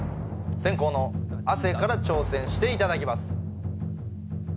先攻の亜生から挑戦していただきます